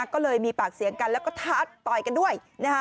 ก็เลยมีปากเสียงกันแล้วก็ท้าต่อยกันด้วย